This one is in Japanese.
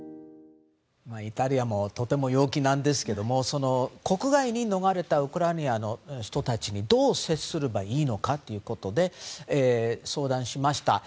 イタリアもとても陽気なんですけども国外に逃れたウクライナの人たちにどう接すればいいのかということで相談しました。